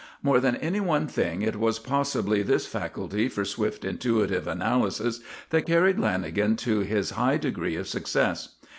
More than any one thing, it was possibly this faculty for swift intuitive analysis that carried Lanagan to his high degree of success.